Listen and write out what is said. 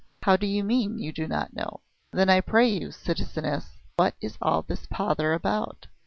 "How do you mean, you do not know? Then I pray you, citizeness, what is all this pother about?"